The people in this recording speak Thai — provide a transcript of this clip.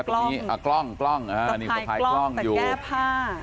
กล้องอ่ากล้องกล้องอ่านี่ก็พายกล้องอยู่แต่แก้ผ้า